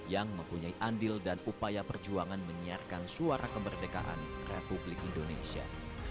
yang mempunyai andil dan upaya perjuangan menyiarkan suara kemerdekaan republik indonesia